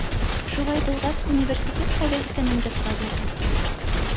Шулай булғас, университет ҡайҙа икәнен дә табырһың!